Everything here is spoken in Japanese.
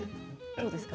どうですか？